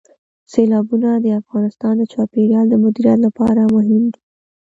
سیلابونه د افغانستان د چاپیریال د مدیریت لپاره مهم دي.